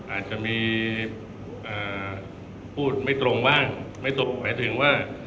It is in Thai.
อาจจะมีอ่าพูดไม่ตรงบ้างไม่ตกไหวถึงว่า